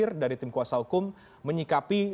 namun kalau kau itu pencepat apa